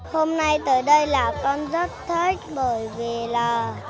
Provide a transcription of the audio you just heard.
hôm nay tới đây là con rất thích bởi vì là